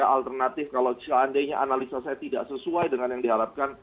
alternatif kalau seandainya analisa saya tidak sesuai dengan yang diharapkan